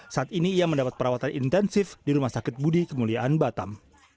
saat ini ia mendapat perawatan intensif di rumah sakit budi kemuliaan batam